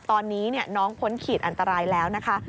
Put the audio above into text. ตอนนี้น้องพ้นขีดอันตรายแล้วนะคะ